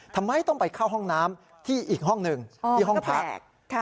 ทำไมต้องไปเข้าห้องน้ำที่อีกห้องหนึ่งที่ห้องพัก